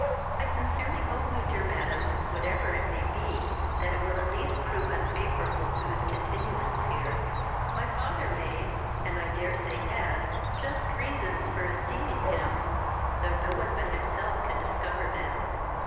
"I sincerely hope, my dear madam, whatever it may be, that it will at least prove unfavourable to his continuance here. My father may, and I dare say has, just reasons for esteeming him, though no one but himself can discover them.